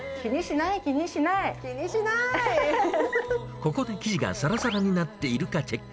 ここで生地がさらさらになっているかチェック。